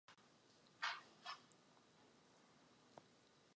Vatikánský městský stát vydává průkazy pro všechny své občany.